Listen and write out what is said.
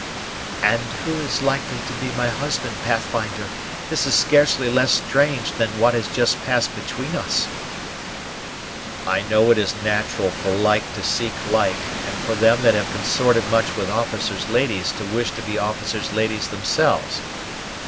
"And who is likely to be my husband, Pathfinder! This is scarcely less strange than what has just passed between us." "I know it is nat'ral for like to seek like, and for them that have consorted much with officers' ladies to wish to be officers' ladies themselves.